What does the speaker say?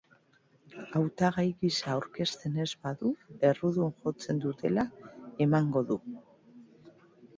Hautagai gisa aurkezten ez badu, errudun jotzen dutela emango du.